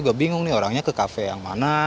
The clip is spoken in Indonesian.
udah bingung nih orangnya ke cafe yang mana